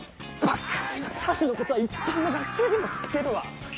三橋のことは一般の学生でも知ってるわ！